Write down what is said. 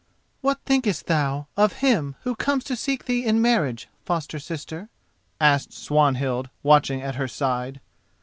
"What thinkest thou of him who comes to seek thee in marriage, foster sister?" asked Swanhild, watching at her side.